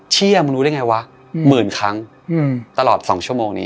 เชื่อมึงรู้ได้ไงวะหมื่นครั้งตลอด๒ชั่วโมงนี้